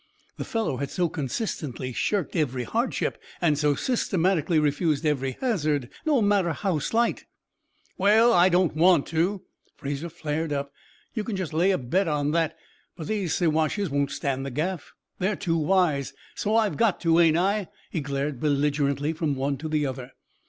The fellow had so consistently shirked every hardship, and so systematically refused every hazard, no matter how slight! "Well, I don't want to," Fraser flared up, "you can just lay a bet on that. But these Siwashes won't stand the gaff, they're too wise; so I've got to, ain't I?" He glared belligerently from one to the other.